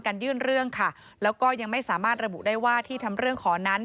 ยื่นเรื่องค่ะแล้วก็ยังไม่สามารถระบุได้ว่าที่ทำเรื่องขอนั้น